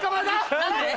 何で？